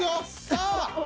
さあ！